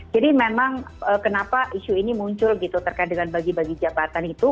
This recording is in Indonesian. jadi memang kenapa isu ini muncul gitu terkait dengan bagi bagi jabatan itu